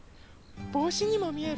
ぼうしにもみえる？